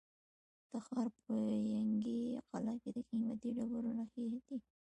د تخار په ینګي قلعه کې د قیمتي ډبرو نښې دي.